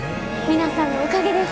皆さんのおかげです。